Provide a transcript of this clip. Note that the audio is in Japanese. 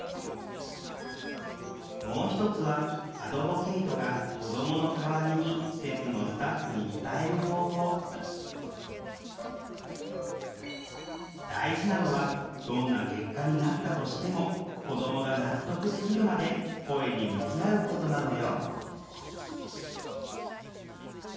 もう一つはアドボケイトが子どもの代わりに施設のスタッフに伝える方法大事なのはどんな結果になったとしても子どもが納得できるまで声に向き合うことなのよ